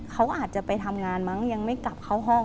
เขาอาจจะไปทำงานมั้งยังไม่กลับเข้าห้อง